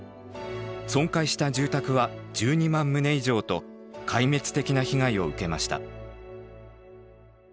損壊した住宅は１２万棟以上と壊滅的な被害を受けました。